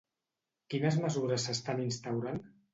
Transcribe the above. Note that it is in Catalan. Quines mesures s'estan instaurant?